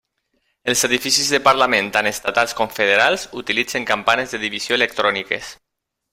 Els edificis de Parlament tant Estatals com Federals utilitzen campanes de divisió electròniques.